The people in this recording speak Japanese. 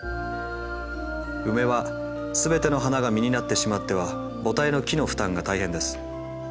ウメは全ての花が実になってしまっては母体の木の負担が大変です。